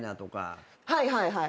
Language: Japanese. はいはいはい。